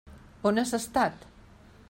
On has estat?